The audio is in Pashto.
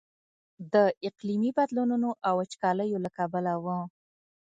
د اقلیمي بدلونونو او وچکاليو له کبله و.